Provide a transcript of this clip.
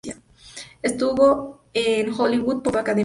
Ella estuvo en la Hollywood Pop Academy.